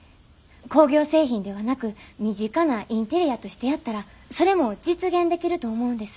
工業製品ではなく身近なインテリアとしてやったらそれも実現できると思うんです。